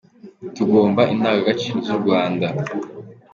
Tugomba indangagaciro zu Rwanda.